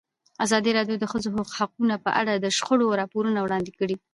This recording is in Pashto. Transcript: ازادي راډیو د د ښځو حقونه په اړه د شخړو راپورونه وړاندې کړي.